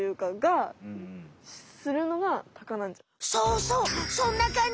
そうそうそんな感じ。